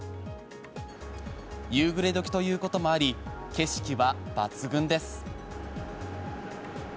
夕暮れ時ということもあり景色は抜群です。